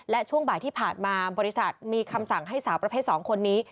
และช่วงบ่ายที่ผ่านมาบริษัทมีคำสั่งให้สาวประเภท๒คนนี้